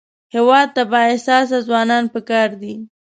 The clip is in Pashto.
هېواد ته بااحساسه ځوانان پکار دي